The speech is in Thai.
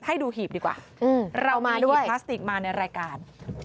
ให้ดูหีบดีกว่าเรามาดูพลาสติกมาในรายการ